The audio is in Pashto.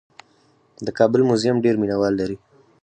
د کابل موزیم ډېر مینه وال لري.